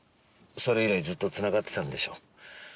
それ以来ずっとつながってたんでしょう。